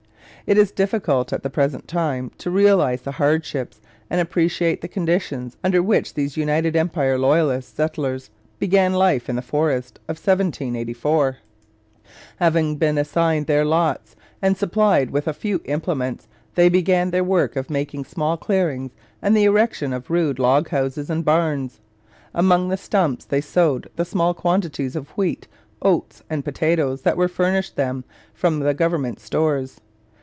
It is difficult at the present time to realize the hardships and appreciate the conditions under which these United Empire Loyalist settlers began life in the forest of 1784. Having been assigned their lots and supplied with a few implements, they began their work of making small clearings and the erection of rude log houses and barns. Among the stumps they sowed the small quantities of wheat, oats, and potatoes that were furnished from the government stores.